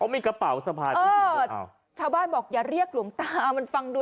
อ๋อมีกระเป๋าสะพานด้วยเออชาวบ้านบอกอย่าเรียกหลวงตามันฟังดู